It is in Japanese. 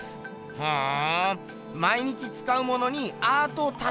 ふん。